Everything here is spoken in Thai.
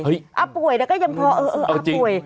อ้าวป่วยแล้วก็ยังพอเอออ้าวป่วย